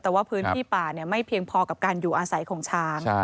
แต่ว่าพื้นที่ป่าไม่เพียงพอกับการอยู่อาศัยของช้าง